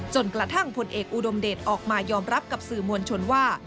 จนกระทั่งผลเอกอุดมเดชออกมายอมรับกับสื่อมวลชนว่า